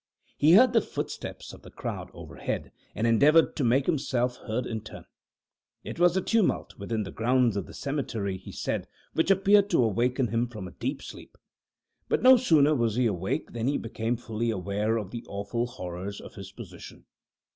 He heard the footsteps of the crowd overhead, and endeavored to make himself heard in turn. It was the tumult within the grounds of the cemetery, he said, which appeared to awaken him from a deep sleep, but no sooner was he awake than he became fully aware of the awful horrors of his position.